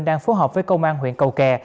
đang phối hợp với công an huyện cầu kè